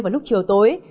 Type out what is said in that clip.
vào lúc chiều tối